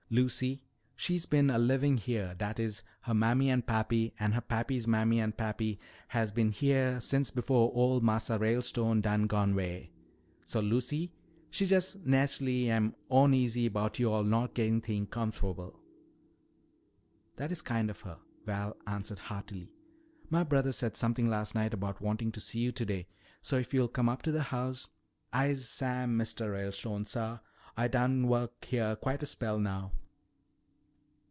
Lucy, she's bin a livin' heah, dat is, her mammy and pappy and her pappy's mammy and pappy has bin heah since befo' old Massa Ralestone done gone 'way. So Lucy, she jest nachely am oneasy 'bout yo'all not gettin' things comfo'ble." "That is kind of her," Val answered heartily. "My brother said something last night about wanting to see you today, so if you'll come up to the house " "I'se Sam, Mistuh Ralestone, suh. Ah done work heah quite a spell now."